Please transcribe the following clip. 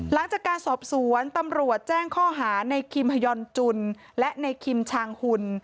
หลังจากการสอบสวนตำรวจแจ้งข้อหาในคิมฮยอนจุนและในคิมชางหุ่น